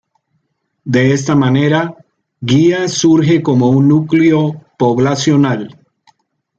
De esta manera, Guía surge como un núcleo poblacional.